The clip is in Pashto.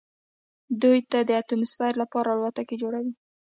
دوی د اتموسفیر لپاره الوتکې جوړوي.